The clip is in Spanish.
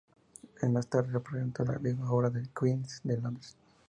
Un mes más tarde representó la misma obra en el Queen's de Londres.